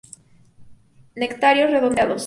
Nectarios redondeados.